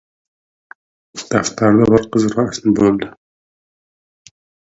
Daftarda bir qiz rasmi bo‘ldi.